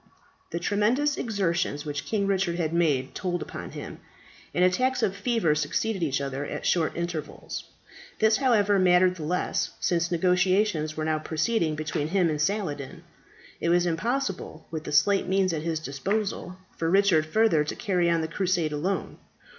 The tremendous exertions which King Richard had made told upon him, and attacks of fever succeeded each other at short intervals. This, however, mattered the less, since negotiations were now proceeding between him and Saladin. It was impossible, with the slight means at his disposal, for Richard further to carry on the crusade alone.